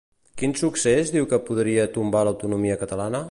Quin succés diu que podria tombar l'autonomia catalana?